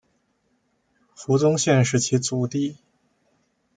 胡宗宪是其族弟。